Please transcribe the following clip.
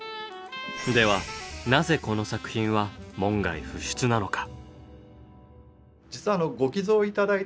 ではなぜこの作品は門外不出なのか？